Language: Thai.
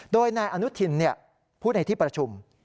โดยนายอนุทินพูดในที่ประชุม